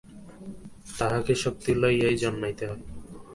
তাহাকে শক্তি লইয়াই জন্মাইতে হয়।